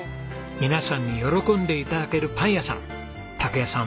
皆さんに喜んで頂けるパン屋さん拓也さん